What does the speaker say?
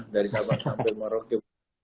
dari sabang sampai marokko